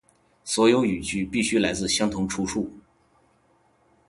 所有语句必须来自相同出处